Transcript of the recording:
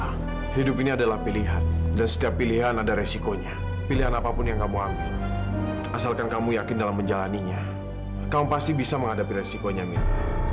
karena hidup ini adalah pilihan dan setiap pilihan ada resikonya pilihan apapun yang kamu ambil asalkan kamu yakin dalam menjalannya kamu pasti bisa menghadapi resikonya mir